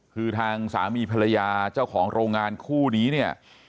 คือทางสามีภรรยาเจ้าของโรงงานคู่นี้เนี่ย